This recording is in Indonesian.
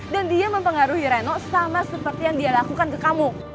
dan dia mempengaruhi reno sama seperti yang dia lakukan ke kamu